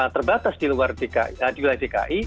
terbatas di luar dki